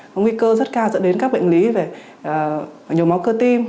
có nguy cơ rất cao dẫn đến các bệnh lý về nhồi máu cơ tim